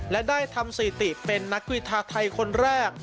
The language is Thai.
และได้ทำสถิติเป็นนักกีฬาไทยคนแรก